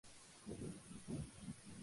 Nació en la limeña calle Puno.